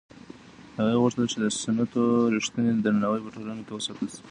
هغې غوښتل چې د سنتو رښتینی درناوی په ټولنه کې وساتل شي.